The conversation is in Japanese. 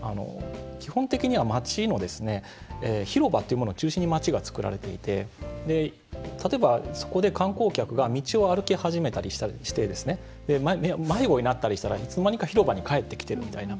基本的には街の広場というものを中心に、街がつくられていて例えば、そこで観光客が道を歩き始めたりして迷子になったりしたらいつの間にか広場に帰ってきてみたいな。